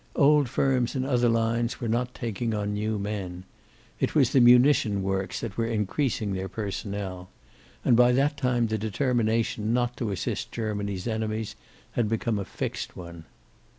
Old firms in other lines were not taking on new men. It was the munition works that were increasing their personnel. And by that time the determination not to assist Germany's enemies had become a fixed one.